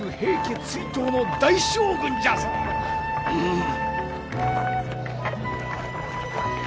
うん。